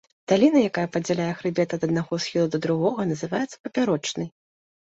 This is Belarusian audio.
Даліна, якая падзяляе хрыбет ад аднаго схілу да другога, называецца папярочнай.